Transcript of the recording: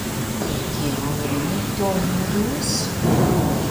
Kion li do dirus?